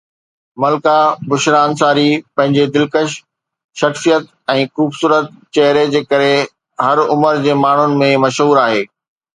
ملڪه بشرا انصاري پنهنجي دلڪش شخصيت ۽ خوبصورت چهري جي ڪري هر عمر جي ماڻهن ۾ مشهور آهي